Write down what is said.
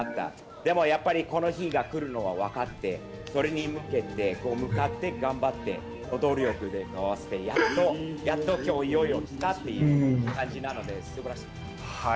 でもやっぱりこの日が来るのが分かって、それに向けて向かって頑張って、努力で合わせてやっと、やっときょういよいよきたという感じなので、すばらしい。